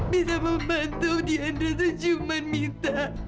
bisa membantu tiandra secuman minta